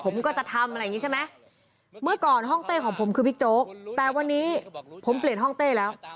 ผมก็จะทำอะไรอย่างนี้ใช่ไหมเมื่อก่อนห้องเต้ของผมคือบิ๊กโจ๊กแต่วันนี้ผมเปลี่ยนห้องเต้แล้ว